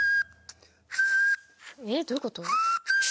えっどういう事？